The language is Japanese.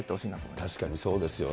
確かにそうですよね。